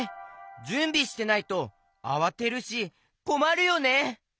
じゅんびしてないとあわてるしこまるよね！